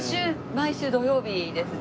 毎週土曜日ですね。